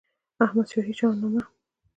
احمدشاهي شهنامه